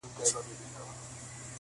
o دلته بله محکمه وي فیصلې وي,